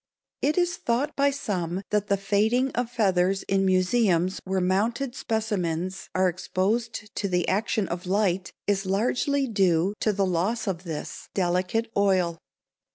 It is thought by some that the fading of feathers in museums where mounted specimens are exposed to the action of light is largely due to the loss of this delicate oil.